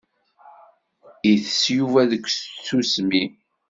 Itess Yuba deg tsusmi.